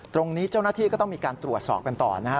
ตรงนี้เจ้าหน้าที่ก็ต้องมีการตรวจสอบกันต่อนะฮะ